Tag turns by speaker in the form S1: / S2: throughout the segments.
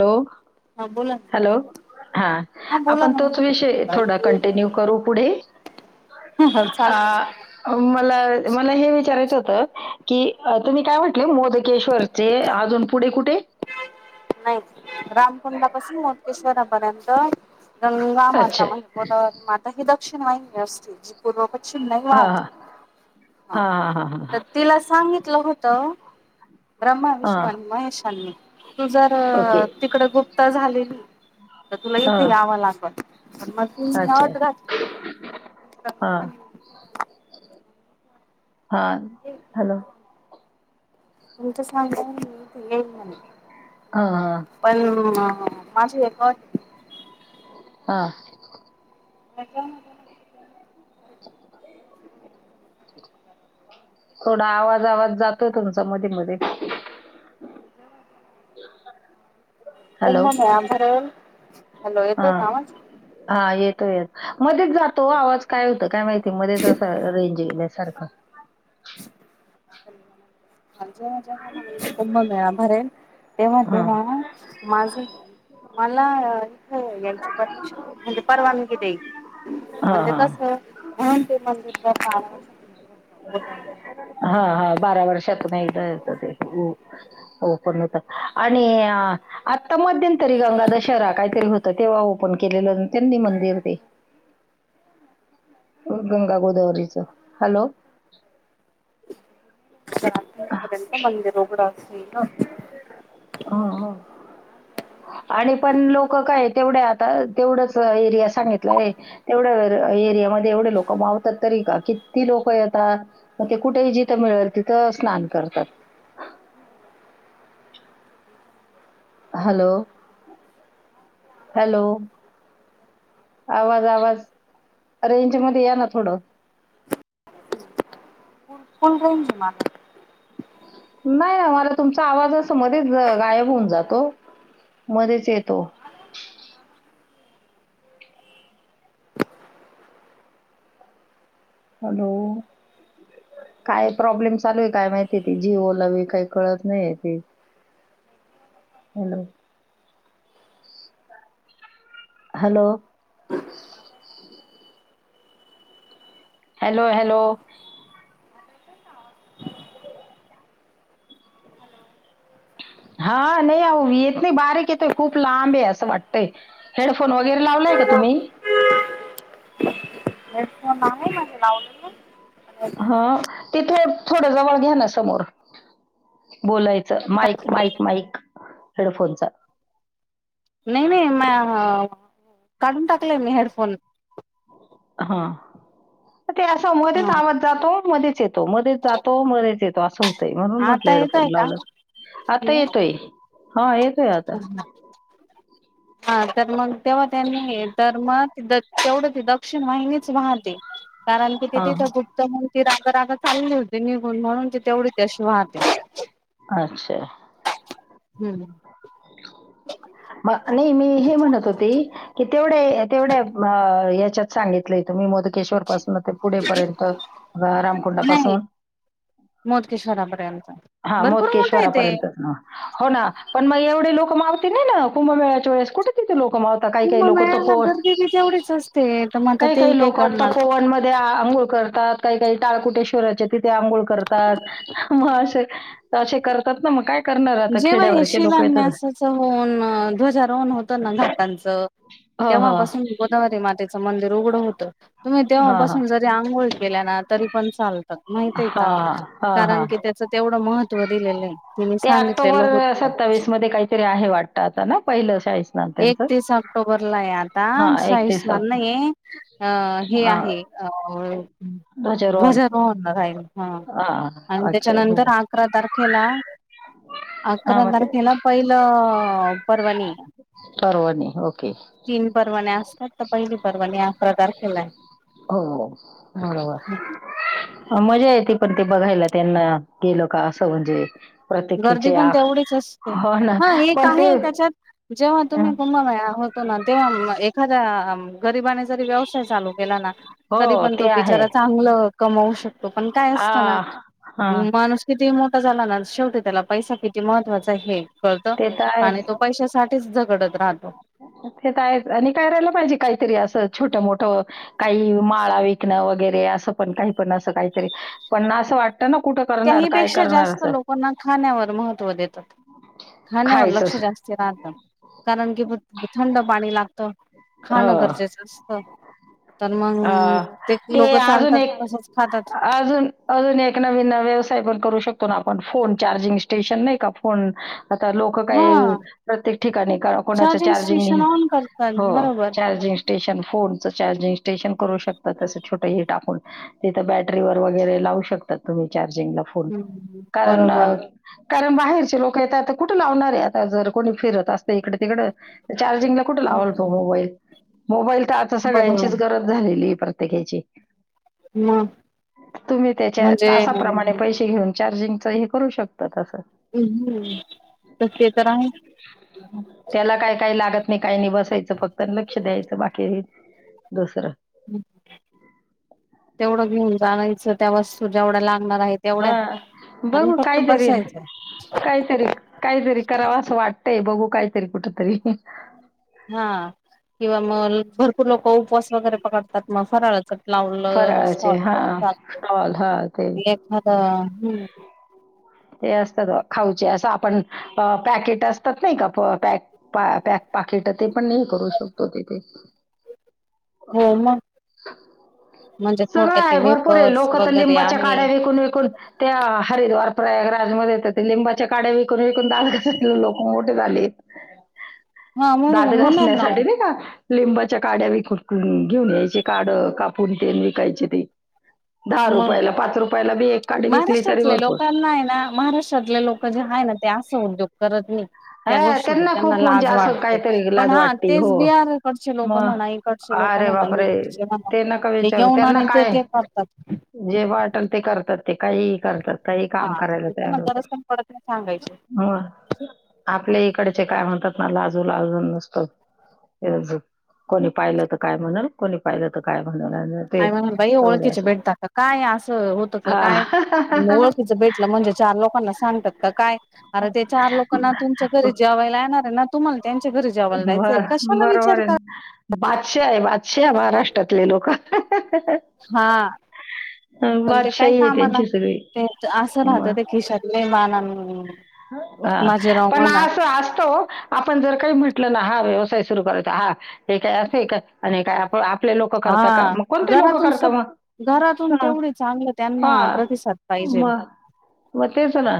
S1: Hello.
S2: हा बोला. ना
S1: हॅलो हा
S2: हा बोला
S1: आपण तोच विषय थोडा
S2: ना
S1: कॉन्टिन्यु करू पुढे.
S2: चालेल
S1: अ मला म मला हे विचारायचं होतं की अ तुम्ही काय म्हटले मोदकेश्वरचे आजुन पुढे कुठे [inaudible]
S2: नाही रामकुंडापासून मोकेश्रापर्यंत गंगा
S1: अच्छा
S2: माता म्हणजे अ माता ही दक्षिणवाहिनी असते पूर्व पश्चिम नाही
S1: हा
S2: वाद हा तर तिला सांगितलं होत तर
S1: हा
S2: ब्रह्माविष्णू आणि
S1: हा
S2: महेशांनी तू जर
S1: ओके
S2: तिकडे गुप्त झाली तर तुला
S1: हा
S2: इथे यावं लागल पण मग तिने
S1: अच्छा
S2: अट घातली
S1: हा हा हॅलो
S2: तुमीच सांगा मी येईल म्हणे
S1: हा हा
S2: पण ह माझी एक अट आहे
S1: हा
S2: मग म्हटलं मग त्यानी
S1: मग ऐकून घ्या म्हटलं तेनी थोडा आवाज आवाज जातोय तुमचा मध्ये मध्ये येतोय काय आवाज
S2: फोन म्हणल्यावर हॅलो
S1: हा
S2: येतोय काम
S1: हा येतो येत मध्येच वो जातो आवाज काय होत काय माहिती मध्येच असं रेंज गेल्या सारखं
S2: च् कुंभमेळा भरेल तेव्हा
S1: हा
S2: तेव्हा माझ मला इथ यायची परमिशन म्हणजे परवानगी द्यायची
S1: हा
S2: म्हणजे
S1: हा
S2: कस म्हणून ते मंदिरात कायमच बंद असत
S1: हा हा बारा वर्षातून नाही येत ते हो हो पण होत आणि आता मध्यंतरी गंगा दशहरा काहीतरी होत तेव्हा ओपन केलेलं त्यांनी मंदिर ते गंगा गोदावरीच हॅलो
S2: साडे तीनपर्यंत मंदीर उघड असतं
S1: ह आणि पण लोक काय तेवढ्या आता तेवढंच एरिया सांगितलं आहे तेवढ्या एरिया. एरियामध्ये एवढे लोक मावतात तरी का किती लोक येतात मग ते कुठेही जिथं मिळेल तिथं स्नान करतात ह हॅलो हॅलो आवाज आवाज रेंज मध्ये या ना थोड रेंज मधेच आहे
S2: फुल रेंज आहे ना
S1: नाही ना मला तुमचा आवाज अस मध्येच गायब होऊन जातो मध्येच येतो हॅलो काय प्रॉब्लेम चालूय काय माहितीय ती जिओला व काही कळत नाही त हॅलो हॅलो हॅलो हॅलो हा नाही आहो येत नाही बारीक येतोय खूप लांब आहे असं वाटतंय हेडफोन वगैरे लावला त का तुम्ही
S2: अ हेडफोन आहे ना ग लावलं मी
S1: हा ते थो. थोड जवळ घ्या ना समोर बोलायचं माईक माईक माईक हेडफोनचा
S2: नाही नाही म काढून टाकलंय मी हेडफोन
S1: हा ते असं
S2: हा
S1: मध्येच आवात जातो मध्ये च येतो मध्येच जातो मध्येच येतो अस होत म्हणून म्हटलं
S2: आता
S1: हेडफोन
S2: येतोय का
S1: लावलं का आता येतोय हा येतोय आता [unintelligible]
S2: हा तर मग तेव्हा त्यांनी हे तर मग द तेवढं ती दक्षिण वाहिनीच वाहते. कारण कि ते
S1: हा
S2: तिथं
S1: हा.
S2: गुप्त म्हणून ती राग राग चालली होती निघून म्हणून तिथ तेवढी त्याशी वाहते [inaudible]
S1: अच्छा
S2: हम्म!
S1: [inaudible] म नाही मी हे म्हणत होते, की तेवढ्या तेवढ म याच्यात सांगितलं त मी मोदकेश्वर पासून ते पुढपर्यंत रामकुंडापासून,
S2: मोजकेश्वरा पर्यन्त,
S1: हा मोकेश्वरापर्यंत ना हो ना! पण मग येव क लोक मावते नाही ना कुंभमेळच्या वेळेस कठे तिथे लोक काही काही लोक
S2: कुंभमेळ्याला
S1: तपोन
S2: गर्दी बी तेवढीच असते तर मग आता
S1: काही
S2: ते
S1: काही लोक
S2: करणार.
S1: तपोवन मध्ये आ आ अंघोळ करतात, काही काही टाळकुटेश्वराचे तिथे आंघोळ करतात, मग त शे करतात ना, मग काय करणार आता
S2: जेव्हा हे
S1: खेड्यावरचे लोक येतात.
S2: शिलान्यासाच होऊन, ध्वजारोहण होतं ना घाटांच, त
S1: हं हं
S2: तेव्हापासून गोदावरी मातेचं मंदिर उघडं होतं. तुम्ही
S1: हां हां
S2: तेव्हापासून जरी आंघोळ गेल्या ना तरी पण चाल माहितय का
S1: हां हां
S2: कारण
S1: हां
S2: की त्याच तेवढं महत्त्व दिलेलं आहे. ति
S1: ते ऑक्टोबर सत्तावीस मध्ये काहीतरी आहे वाटतं आता ना पहिलं स्नान त्यांचं
S2: एकतीस ऑक्टोबरला आहे आता
S1: हां एकतीस
S2: सायस्मान नाही, अ हे
S1: हां
S2: आहे. अ
S1: ध्वजारोहण
S2: ध्वज रोहण न रा ही हा आणि
S1: हां अच्छा
S2: त्याच्यानंतर
S1: ध्वज
S2: अकरा तारखेला
S1: हां
S2: अकरा
S1: मग ते
S2: तारखेला पहिलं परवानी.
S1: पर्वणी ओके!
S2: तीन परवान्या असतात तर पहिली परवानी अकरा तारखेला आहे.
S1: हो हो बरोबर! मजा येते पण ते बघायला त्यांना गेल का असं म्हणजे,
S2: गर्दी
S1: प्रत्येकीचे
S2: पण
S1: आ
S2: तेवढीच असते
S1: हो ना
S2: हा एक
S1: पण ते
S2: आहे त्याच्यात जेव्हा तुम्ही कुंभमेळाव त ना तेव्हा एखाद्या गरिबाने जरी व्यवसाय चालू केला ना! तरी
S1: हो
S2: पण तो
S1: ते आहे
S2: बिचारा चांगलं कमावू शकतो, पण काय असत ना!
S1: आ हा
S2: मनुस की ती म झाला ना! शेवटी त्याला पैसा किती महत्त्वाचा आहे कळतं
S1: ते तर
S2: आणि तो पैशासाठी, जगडत राह
S1: हे काय आणि करायला पाहिजे काहीतरी असंच, छोट, मोठ काही माळा विकणं वगैरे असं पण काही पण असं काहीतरी पण असं वाटत
S2: त्याहीपेक्षा जास्त लोकांना खाण्यावर महत्व देतात. खान्यावर
S1: खायचं
S2: लक्ष जास्तीच असणार कारण की ब थंड पाणी लागत,
S1: हो
S2: खाणं गरजेचं असत, त
S1: अ ते अजून एक,
S2: तसच खातात.
S1: अजून अजून एक, नवीन व्यवस् काय पन करू शकतो ना! आपण फोन चार्जिंग स्टेशन नाही का फोन. आता लोक
S2: हा
S1: काही प्रत्येक ठिकाणी कोणाचं चार्जिंग
S2: स्टेशन ऑन करतात
S1: हो
S2: बरोबर.
S1: चार्जिंग स्टेशन फोनच चार्जिंग स्टेशन करू शकत त छोट हि टाकून तिथं बॅटरी वर वगैरे लावू शकत तुम्ही चार्ज. जेला फोन
S2: हम्म
S1: कारण
S2: बरोबर.
S1: कारण बाहेरचे लोक येतता, आता कुठं लावणारे आता जर कोणी फिरत असत इकडे तिकडं चार्जिंगला कुठे लावाल तो
S2: हम्म.
S1: मोबाईल, मोबाईल तर आता सगळ्याच च्या
S2: बरोबर
S1: झालेली प्रत्येकाची,
S2: मग
S1: तुम्ही त्याच्या
S2: म्हणजे
S1: तासाप्रमाणे पैसे घेऊन. चार्जिंग च हे करू शकतात.
S2: मग ते तर आहे.
S1: त्याला काय काही लागत नाही काही नाही बसायचं फक्त लक्ष द्यायचं बाकी दुसरं.
S2: च त्या वस्तू जेवढ्या लागणार हाय तेवढ्या
S1: हा
S2: आणि
S1: बघू
S2: फक्त
S1: काहीतरी
S2: बसायचं.
S1: काहीतरी काहीतरी कराव असं वाट तय बघू काहीतरी कुठ तरी.
S2: हा किंवा मग भरपूर लोक उपवास वगैरे करतात मग फराळ लावलं
S1: फराळाचे हा स्टॉल हा ते
S2: [unintelligible] एखादा हम्म.
S1: ते असतात खाऊचे असं आपण पॅकेट असतात नाही का प पॅक पा पॅक पाकिट ते पण हे करू शकतो तिथे.
S2: हो मग. म्हणजे
S1: [unintelligible] सगळं
S2: थोडक्यात
S1: आहे
S2: ते
S1: भरपूर आहे
S2: वेपर्स
S1: लोक तर
S2: वगैरे
S1: लिंबाच्या
S2: आहे.
S1: काड्या विकून विकून त्या हरिद्वार प्रयागरा जमध्ये येत लिंबाच्या काड्या विकून विकून [unintelligible] लोक मोठे झाले.
S2: हा
S1: दात
S2: बरोबर होणार ना
S1: घासण्यासाठी नाही का. लिंबाच्या काड्या विकून घेऊन यायचे काढ कापून तेन विकायचे ते. दहा
S2: मग
S1: रुपयाला पाच रुपयाला बी एक काडी विकली तरी
S2: महाराष्ट्रातले
S1: भरपूर
S2: लोकांना हाय ना महाराष्ट्रातले लोक जे हाय ना ते आस स उद्योग करत नाई. त्या
S1: हा
S2: गोष्टीची त्यांना
S1: खूप म्हणजे
S2: लाज
S1: असं
S2: वाटते
S1: काहीतरी
S2: पण
S1: लाज
S2: हा
S1: वाटते
S2: तेच
S1: हो
S2: बिहारकडचे लोक
S1: मग
S2: म्हणा ईकडचे लोक
S1: अरे
S2: म्हना
S1: बापरे
S2: यूपी चे म्हना
S1: नका
S2: ते
S1: विचारू
S2: घेऊन
S1: त्यांना
S2: आणि ते
S1: काय
S2: ते करतात.
S1: जे वाटल ते करतात ते काहीहि करतात. काही काम
S2: हा
S1: करायला
S2: त्यांना
S1: तयार
S2: गरज
S1: होतात
S2: पण पडत नाही सांगायची
S1: हो. आपल्या इकडचे काय म्हणतात ना लाजू लाजून नुसतं कोणी पाहिलं तर काय म्हणल कोणी पाहिलं तर काय म्ह
S2: आणि म्हणून बाई ओळखीचे भेटता का काय असं होतं का
S1: हा.
S2: काय ओळखीचं भेटलं म्हणजे चार लोकांना सा सांगतात का काय अरे ते चार लोकांना तुमच्या घरी जेवायला येणार हाय ना तुम्हाला च्या घरी जेवायला जायचंय कशाला विचार करा
S1: बादशा हाय बादशहा महाराष्ट्रातले लोक.
S2: हा. पण ते काय
S1: बादशाही आहे
S2: कामाला
S1: त्यांची सगळी
S2: ते असं राहत ते खिशातले [unintelligible]
S1: ह
S2: बाजीराव
S1: पण
S2: म्हणा
S1: आस असत ओ आपण जर काही म्हंटलं हा व्यवसाय सुरू करचाय हा हे काय अस का आणि हे काय आप आपले लोक करता का
S2: हा
S1: मग कोणते लोक
S2: घरातून
S1: करता
S2: सब
S1: मग?
S2: घरातून
S1: हा.
S2: तेवढी चांगलं
S1: हा
S2: त्यांना प्रतिसाद पाहिजेल.
S1: मग मग तेच ना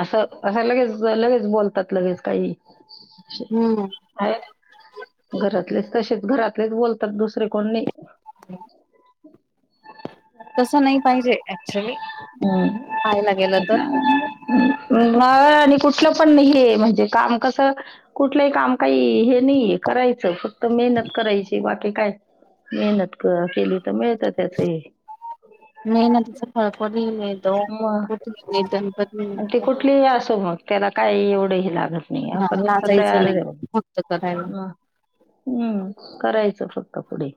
S1: असं हेला लगेच लगेच बोलतात लगेच काही
S2: हम्म
S1: घरातलेच तसेच घरातलेच बोलतात दुसरे कोण नाई.
S2: तसं नाही पाहिजे ऍक्च्युली
S1: [inaudible]
S2: पाहायला गेलं तर
S1: कुठलं पण हे म्हणजे काम कस कुठलहि काम आई हे नाहीये करायचं फक्त मेहनत करायची बाकी काय मेहनत क केली तर मिळत त्याचही
S2: मेहनतीच
S1: आणि ते कुठलीही असो
S2: [inaudible]
S1: मग त्याला काही एवढंही लागत नाई अप
S2: नाही
S1: पद्ध
S2: लाजायचं
S1: तयार
S2: नाही
S1: हाय
S2: फक्त करायला
S1: ह हम्म करायचं फक्त कपडे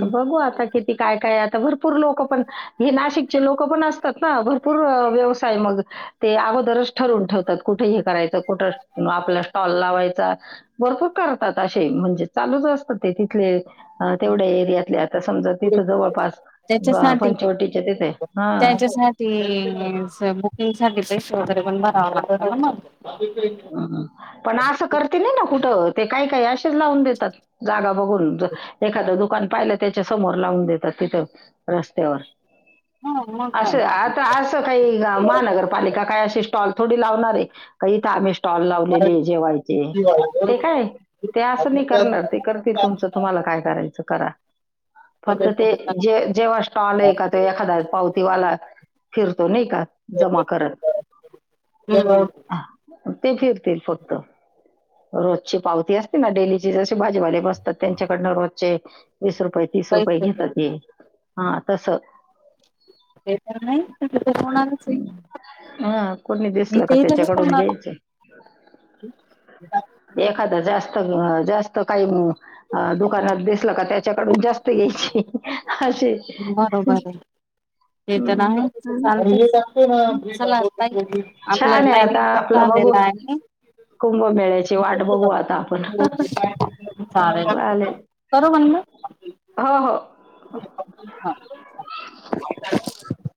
S1: तर बघू आता किती काय काय आता भरपूर लोक पण घेणा चे लोक पण असतात ना भरपूर व्यवय मग अगोदरच ठरून ठेवतात कुठं हे रायचा कुठ आपला स्टॉल लायचा भरपूर करतात असे म्हणजे चालूच असत ते. तथले अ तेवढ्या एरियातले आता समजा तिथ जवळपास पंचवटी
S2: त्यांच्यासाठी बुकिंग [inaudible]
S1: पण असं करती नाही ना कुठं. ते काय काय असेच लावून देतात जागा बघून एखादं दुकान पाहिलं त्याच्या समोर लावून देतात तिथे रस्त्यावर
S2: हा मग
S1: असं आता असं काही महानगरपालिका काय अशे स्टॉल थोडी लावणार आहे का इथं आम्ही स्टॉल लावलेले जेवायचे
S2: काय
S1: ते काय ते असं
S2: हम्म,
S1: नही करणार. ते करतील तुमचं तुम्हाला काय करायचं करा फक्त ते जे जेव्हा स्टॉल आहे का तो एखादा पावतीवाला फिरतो नाही का? जमा करत
S2: हम
S1: हा, ते फिरतील फक्त रोजची पावती असते ना डेलीची जशी भाजीवाले बसतात त्यांच्याकडन रोजचे वीस रुपये तीस रुपये
S2: पैसे
S1: घेतात ये हा तसं
S2: ते तर नाही, होणारच आहे
S1: हा कोणी
S2: मी
S1: दिसला का
S2: ते इथेच
S1: त्याच्याकडून
S2: होणार
S1: घ्यायचं एखादा जास्त जास त काही दुकानात दिसलं का त्याच्याकडून जास्त घ्यायचे
S2: बरोबर आहे ते तर
S1: हं.
S2: आहेच
S1: छान
S2: आपलं
S1: आहे आता
S2: टायमिंग पण
S1: आपलं बघू
S2: झालेला आहे
S1: कुंभमेळ्याची वाट बघू आता आपण.
S2: चालेल चालेल. करू बंद मी?
S1: हो, हो
S2: [unintelligible]